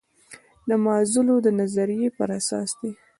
د مازلو د نظریې پر اساس ده.